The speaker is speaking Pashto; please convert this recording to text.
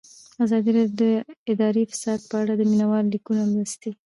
ازادي راډیو د اداري فساد په اړه د مینه والو لیکونه لوستي.